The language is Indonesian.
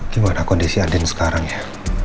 gimana kondisi adin sekarang ya